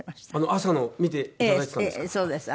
朝の見て頂いてたんですか？